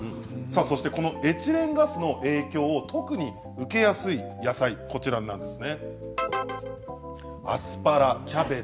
そしてエチレンガスの影響を特に受けやすい野菜がこちらです。